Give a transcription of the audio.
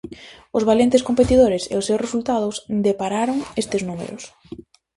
Os valentes competidores e os seus resultados depararon estes números.